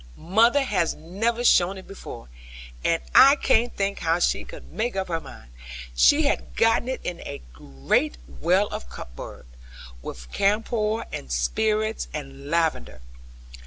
Mother has never shown it before; and I can't think how she could make up her mind. She had gotten it in a great well of a cupboard, with camphor, and spirits, and lavender.